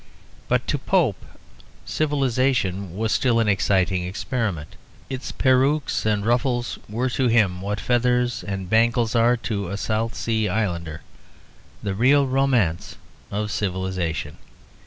But to Pope civilisation was still an exciting experiment. Its perruques and ruffles were to him what feathers and bangles are to a South Sea Islander the real romance of civilisation.